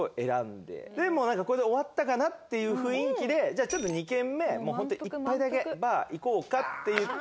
でもうこれで終わったかな？っていう雰囲気でじゃあちょっと２軒目ホントに一杯だけバー行こうかって言って。